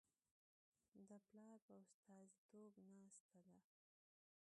د پلار په استازیتوب ناسته ده.